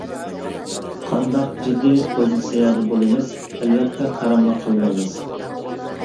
قانداق جىددىي پوزىتسىيەدە بولىمىز؟ ئەلۋەتتە قاراملىق قىلمايمىز.